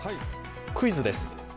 クイズです。